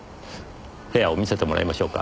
部屋を見せてもらいましょうか。